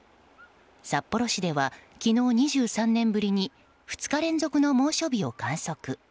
札幌市では、昨日２３年ぶりに２日連続の猛暑日を観測。